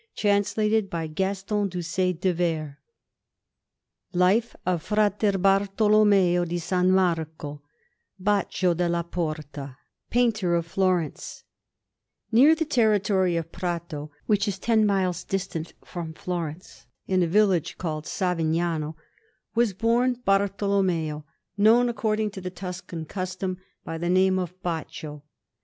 FRA BARTOLOMMEO DI SAN MARCO LIFE OF FRA BARTOLOMMEO DI SAN MARCO [BACCIO DELLA PORTA] PAINTER OF FLORENCE Near the territory of Prato, which is ten miles distant from Florence, in a village called Savignano, was born Bartolommeo, known, according to the Tuscan custom, by the name of Baccio.